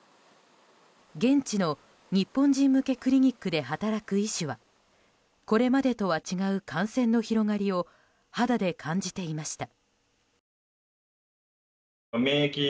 現地の日本人向けクリニックで働く医師はこれまでとは違う感染の広がりを肌で感じていました。